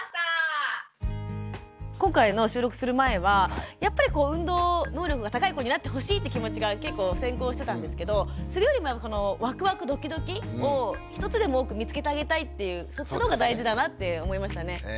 今回の収録する前はやっぱり運動能力が高い子になってほしいって気持ちが結構先行してたんですけどそれよりもワクワクドキドキを１つでも多く見つけてあげたいっていうそっちの方が大事だなって思いましたね。